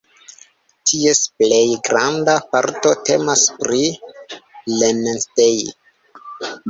Ties plej granda parto temas pri Rennsteig.